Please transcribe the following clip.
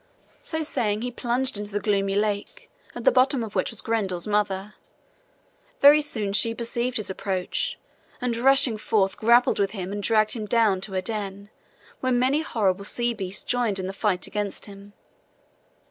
So saying, he plunged into the gloomy lake, at the bottom of which was Grendel's mother. Very soon she perceived his approach, and rushing forth, grappled with him and dragged him down to her den, where many horrible sea beasts joined in the fight against him.